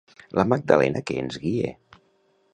La Magdalena que ens guie!